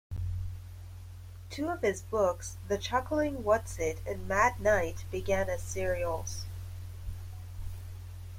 Two of his books, The Chuckling Whatsit and Mad Night began as serials.